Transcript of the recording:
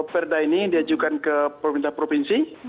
perda ini diajukan ke pemerintah provinsi